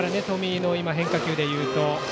冨井の変化球で言うと。